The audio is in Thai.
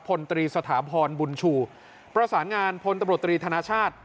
พลตรีสถาพรบุญชูประสานงานพลตำรวจตรีธนชาติ